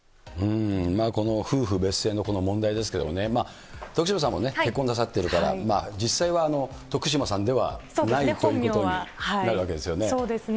夫婦別姓のこの問題ですけどもね、徳島さんもね、結婚なさっているから、実際は徳島さんではないということになるわけですよね。